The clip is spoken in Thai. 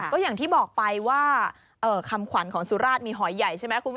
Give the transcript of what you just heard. ก็อย่างที่บอกไปว่าคำขวัญของสุราชมีหอยใหญ่ใช่ไหมคุณผู้ชม